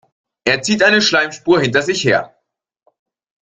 Er zieht eine Schleimspur hinter sich her.